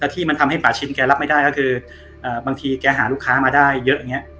ที่มันทำให้ป่าชินแกรับไม่ได้ก็คือบางทีแกหาลูกค้ามาได้เยอะอย่างนี้